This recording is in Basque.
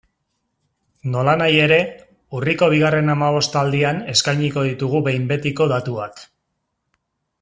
Nolanahi ere, urriko bigarren hamabostaldian eskainiko ditugu behin betiko datuak.